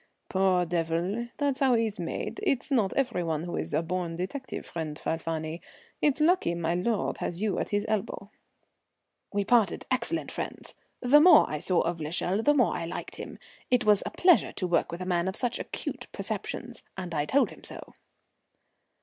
"Poor devil! That's how he's made. It's not everyone who's a born detective, friend Falfani. It's lucky my lord has you at his elbow." We parted excellent friends. The more I saw of l'Echelle the more I liked him. It was a pleasure to work with a man of such acute perceptions, and I told him so.